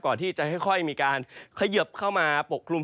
ก่อนที่จะค่อยมีการเขยิบเข้ามาปกคลุม